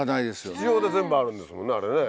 必要で全部あるんですもんね。